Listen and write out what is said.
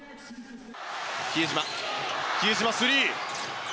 比江島、比江島、スリー！